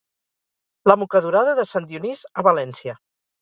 La mocadorada de Sant Dionís a València.